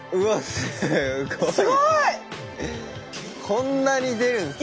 こんなに出るんすか。